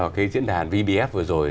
cái diễn đàn vbf vừa rồi